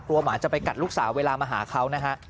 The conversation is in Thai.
หมาจะไปกัดลูกสาวเวลามาหาเขานะฮะ